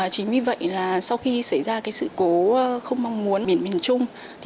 chính vì vậy là sau khi xảy ra sự cố không mong muốn biển miền trung